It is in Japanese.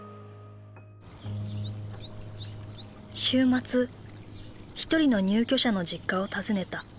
週末一人の入居者の実家を訪ねた。